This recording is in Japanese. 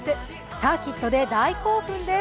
サーキットで大興奮です。